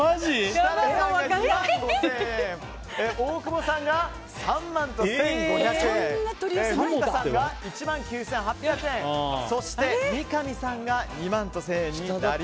設楽さんが２万５０００円大久保さんが３万１５００円ふっかさんが１万９８００円そして三上さんが２万１０００円。